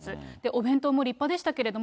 お弁当も立派でしたけど、